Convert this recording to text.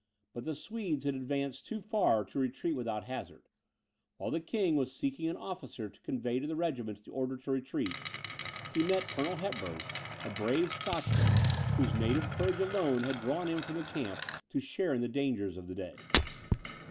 But the Swedes had advanced too far to retreat without hazard. While the king was seeking an officer to convey to the regiments the order to retreat, he met Colonel Hepburn, a brave Scotchman, whose native courage alone had drawn him from the camp to share in the dangers of the day.